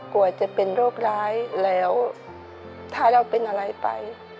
กลัวจะเป็นโรคร้ายแล้วถ้าเราเป็นอะไรไป